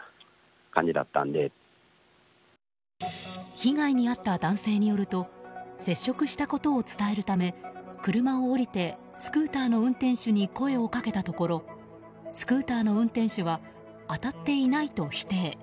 被害に遭った男性によると接触したことを伝えるため車を降りてスクーターの運転手に声をかけたところスクーターの運転手は当たっていないと否定。